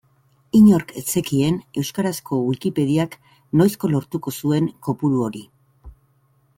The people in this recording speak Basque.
Inork ez zekien euskarazko Wikipediak noizko lortuko zuen kopuru hori.